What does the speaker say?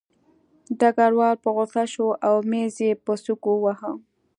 ډګروال په غوسه شو او مېز یې په سوک وواهه